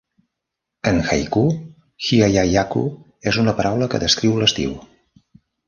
En haiku, hiyayakko és una paraula que descriu l'estiu.